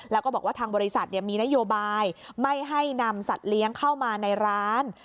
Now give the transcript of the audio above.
แล้วก็บอกว่าทางบริษัทมีนโยบายไม่ให้นำสัตว์เลี้ยงเข้ามาในร้าน